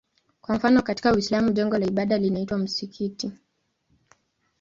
Kwa mfano katika Uislamu jengo la ibada linaitwa msikiti.